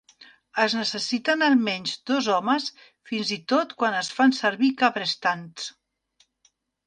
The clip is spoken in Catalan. Es necessiten almenys dos homes, fins i tot quan es fan servir cabrestants.